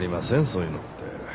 そういうのって。